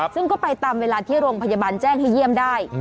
ซึ่งก็ไปตามเวลาที่โรงพยาบาลแจ้งให้เยี่ยมได้